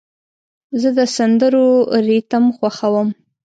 زه د سندرو ریتم خوښوم.